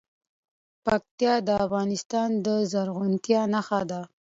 پکتیکا د افغانستان د زرغونتیا نښه ده.